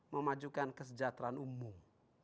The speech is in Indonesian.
memajukan kesejahteraan umum